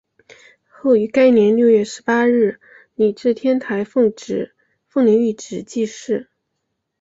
后于该年六月十八日礼置天台奉领玉旨济世。